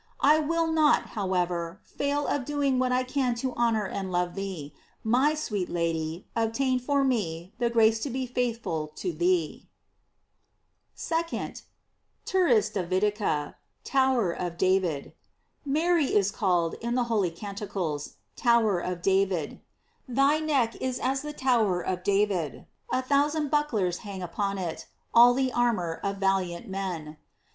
I will not, however, fail of doing what I can to honor and love thee ; my sweet Lady, obtain for me the grace to be faith ful to thee. 2nd. "Turris Davidica :" Tower of David. Mary is called, in the holy Canticles, Tower of David : "Thy neck is as the tower of David ; a thousand bucklers hang upon it, all the armor of valiant men."